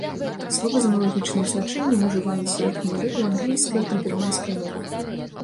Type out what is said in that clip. Словы з аналагічным значэннем ужываліся як меры ў англійскай і бірманскай мовах.